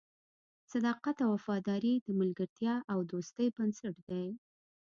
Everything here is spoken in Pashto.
صداقت او وفاداري د ملګرتیا او دوستۍ بنسټ دی.